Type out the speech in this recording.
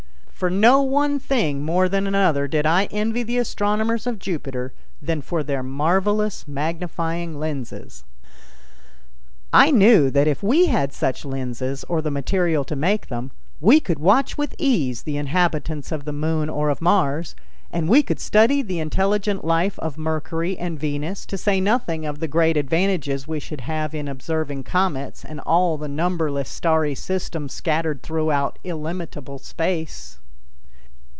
For no one thing more than another did I envy the astronomers of Jupiter than for their marvelous magnifying lenses. I knew that if we had such lenses, or the material to make them, we could watch with ease the inhabitants of the Moon or of Mars, and we could study the intelligent life on Mercury and Venus, to say nothing of the great advantages we should have in observing comets and all the numberless starry systems scattered throughout illimitable space.